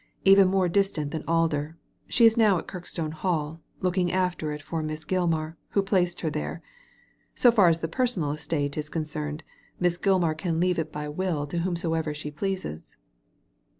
Even more distant than Alder. She is now at Kirkstone Hall, looking after it for Miss Gilmar, who placed her there. So far as the personal estate is concerned Miss Gilmar can leave it by will to whomsoever she pleases.'